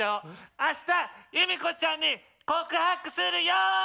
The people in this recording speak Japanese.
あしたゆみこちゃんに告白するよ！